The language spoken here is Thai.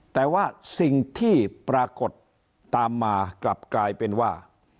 แต่ว่าสิ่งที่ปรากฏตามมากลับกลายเป็นว่า